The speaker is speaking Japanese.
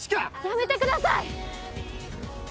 やめてください！